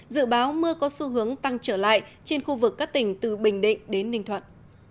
dự báo mưa có xu hướng tăng trở lại trên khu vực các tỉnh từ bình định đến ninh thuận